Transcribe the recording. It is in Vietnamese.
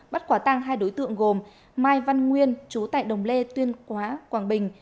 bắt quả tăng hai đối tượng gồm mai văn nguyên chú tại đồng lê tuyên quá quảng bình